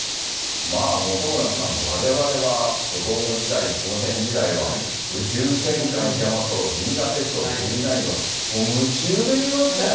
まあ本村さん、われわれは子ども時代、少年時代は、宇宙戦艦ヤマト、銀河鉄道９９９はもう夢中で読みましたよね。